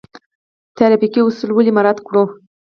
ټرافیکي اصول ولې مراعات کړو؟